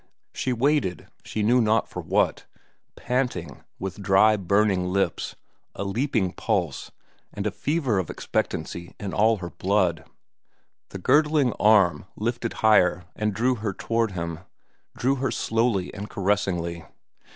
She waited, she knew not for what, panting, with dry, burning lips, a leaping pulse, and a fever of expectancy in all her blood. The girdling arm lifted higher and drew her toward him, drew her slowly and caressingly.